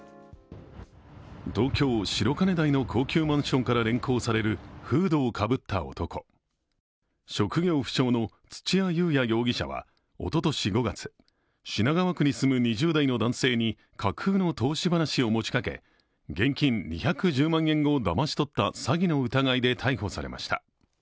東京・白金台の高級マンションから連行されるフードをかぶった男、職業不詳の土屋裕哉容疑者はおととし５月品川区に住む２０代の男性に架空の投資話を持ちかけ、現金２１０万円をだまし取った詐欺の疑いで逮捕されました。